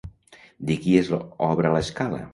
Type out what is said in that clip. De qui és obra l'escala?